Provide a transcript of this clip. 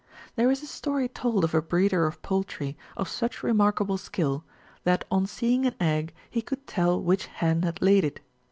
There is a story told of a breeder of poultry, of such remarkable skill, that on seeing an egg he could tell which hen had laid it.